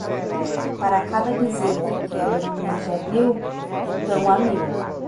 Para cada bezerro que quebra no mês de abril, então há mil.